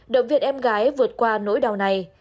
động viện em gái vượt qua nỗi đau này